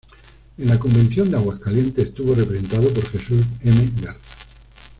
En la Convención de Aguascalientes estuvo representado por Jesús M. Garza.